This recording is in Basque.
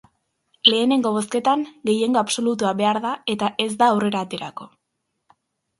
Lehenengo bozketan, gehiengo absolutua behar da eta ez da aurrera aterako.